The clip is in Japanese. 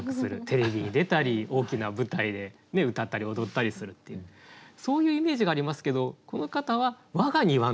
テレビに出たり大きな舞台で歌ったり踊ったりするっていうそういうイメージがありますけどこの方は「我が庭の」っていうね。